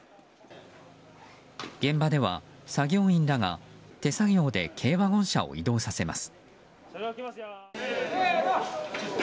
現場では作業員らが手作業で軽ワゴン車を移動させます。